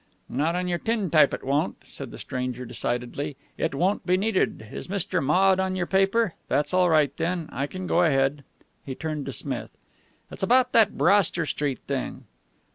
"Not on your tintype it won't," said the stranger decidedly. "It won't be needed. Is Mr. Maude on your paper? That's all right, then. I can go ahead." He turned to Smith. "It's about that Broster Street thing."